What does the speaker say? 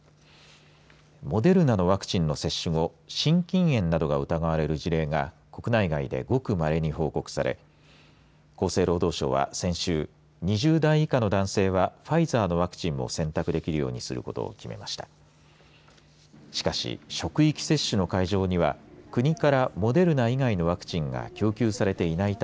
モデルナのワクチンの接種後心筋炎などが疑われる事例が国内外でごくまれに報告され厚生労働省は先週２０代以下の男性はファイザーのワクチンも選択できるようにすることを決めました。